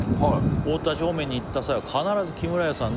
「太田市方面に行った際は必ず木村家さんで」